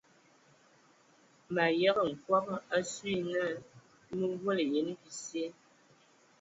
Mayəgə nkɔbɔ asu yi nə mə volo yen bisye.